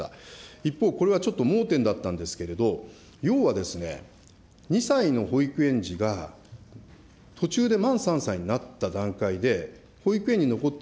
一方、これはちょっと盲点だったんですけれど、要はですね、２歳の保育園児が途中で満３歳になった段階で、保育園に残ってい